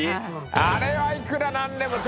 あれはいくらなんでもちょっと。